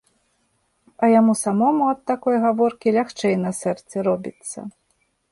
А яму самому ад такой гаворкі лягчэй на сэрцы робіцца.